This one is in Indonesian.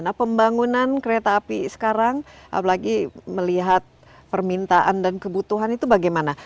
nah pembangunan kereta api sekarang apalagi melihat permintaan dan kebutuhan itu bagaimana